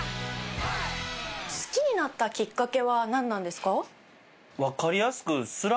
好きになったきっかけはなんなんですか？